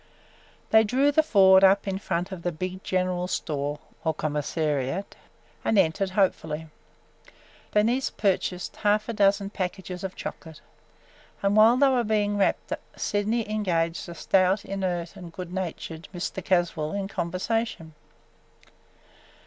They drew the Ford up in front of the big general store or commissary and entered hopefully. Bernice purchased half a dozen packages of chocolate, and while they were being wrapped Sydney engaged the stout, inert, and good natured Mr. Caswell in conversation.